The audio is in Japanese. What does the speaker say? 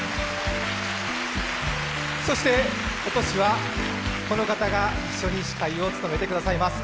そして、今年はこの方が一緒に司会を務めてくださいます。